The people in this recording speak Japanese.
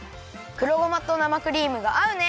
黒ごまとなまクリームがあうね！